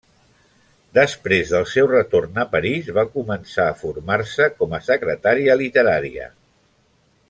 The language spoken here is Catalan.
Després del seu retorn a París va començar a formar-se com a secretària literària.